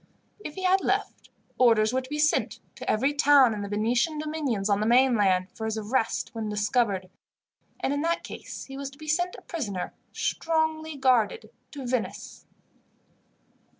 If he had left, orders were to be sent, to every town in the Venetian dominions on the mainland, for his arrest when discovered, and in that case he was to be sent a prisoner, strongly guarded, to Venice.